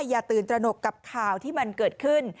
อย่าตื่นตระหนกกับข่าวที่มันเกิดขึ้น